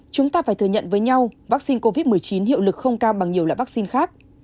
chúng ta phải thừa nhận với nhau vaccine covid một mươi chín hiệu lực không cao bằng nhiều loại vaccine khác